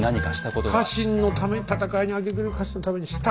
家臣のため戦いに明け暮れる家臣のためにした。